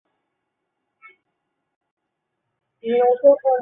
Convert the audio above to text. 豪斯费尔德出生并生长在诺丁汉附近的一个小村庄。